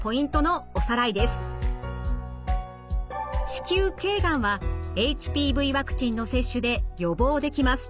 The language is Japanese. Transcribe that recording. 子宮頸がんはＨＰＶワクチンの接種で予防できます。